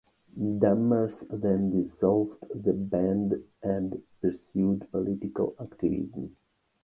Dammers then dissolved the band and pursued political activism.